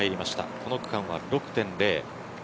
この区間は６．０。